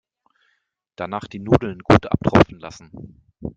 Danach die Nudeln gut abtropfen lassen.